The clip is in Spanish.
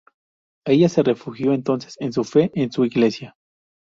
Ella se refugió entonces en su fe y en su iglesia.